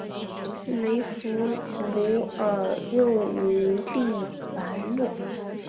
雷佛奴尔又名利凡诺。